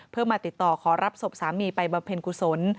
เพื่อมาติดต่อขอรับศพสามีไปบำเพ็ญกุศล